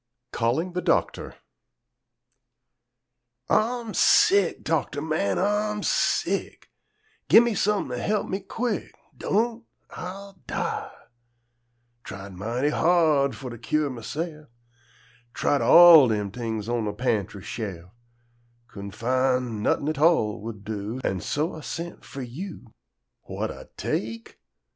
CALLING THE DOCTOR Ah'm sick, doctor man, Ah'm sick! Gi' me some'n' to he'p me quick, Don't, Ah'll die! Tried mighty hard fo' to cure mahse'f; Tried all dem t'ings on de pantry she'f; Couldn' fin' not'in' a tall would do, An' so Ah sent fo' you. "Wha'd Ah take?"